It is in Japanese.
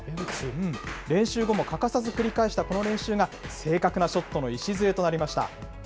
練習後も欠かさず繰り返したこの練習が、正確なショットの礎となりました。